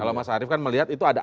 kalau mas arief kan melihat itu ada